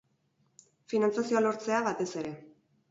Finantzazioa lortzea, batez ere.